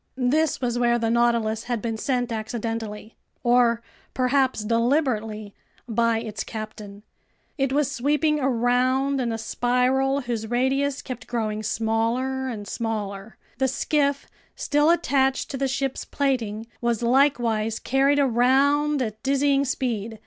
This was where the Nautilus had been sent accidentally—or perhaps deliberately—by its captain. It was sweeping around in a spiral whose radius kept growing smaller and smaller. The skiff, still attached to the ship's plating, was likewise carried around at dizzying speed.